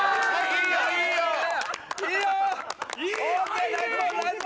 いいよ！